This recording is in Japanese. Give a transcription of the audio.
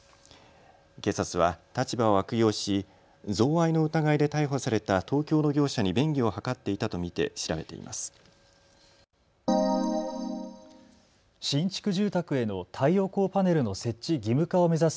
警察は立場を悪用し贈賄の疑いで逮捕された東京の業者に便宜を図っていたと見て調べています。